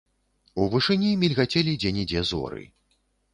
У вышыні мільгацелі дзе-нідзе зоры.